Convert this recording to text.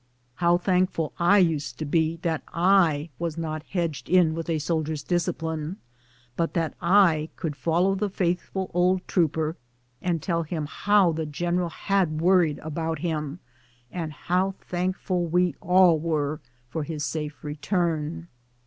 How 6 132 BOOTS AND SADDLES. thankful I used to be that I was not hedged in with a soldier's discipline, but that I could follow the faithful old trooper and tell him how the general had worried about him, and how thankful we all were for his safe return.